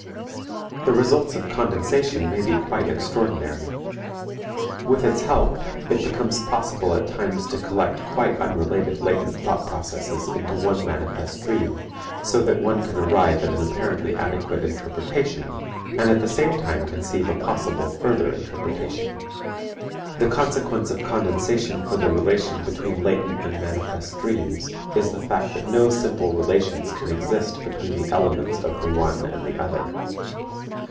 The results of condensation may be quite extraordinary. With its help, it becomes possible at times to collect quite unrelated latent thought processes into one manifest dream, so that one can arrive at an apparently adequate interpretation, and at the same time conceive a possible further interpretation. The consequence of condensation for the relation between latent and manifest dreams is the fact that no simple relations can exist between the elements of the one and the other.